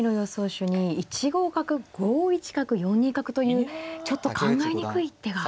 手に１五角５一角４二角というちょっと考えにくい手が。